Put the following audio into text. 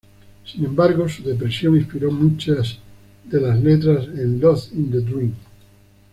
Sin embargo, su depresión inspiró muchas de las letras de "Lost in the Dream".